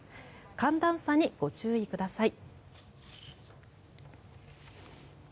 寒暖差にご注意ください。